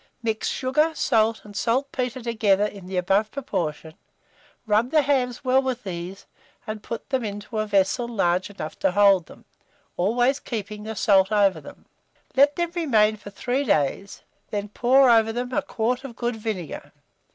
Mix sugar, salt, and saltpetre together in the above proportion, rub the hams well with these, and put them into a vessel large enough to hold them, always keeping the salt over them. Let them remain for 3 days, then pour over them a quart of good vinegar.